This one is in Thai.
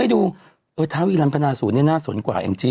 โดยท้าวิลัมพนาศูนย์เนี่ยน่าสนกว่าเอ็มจิ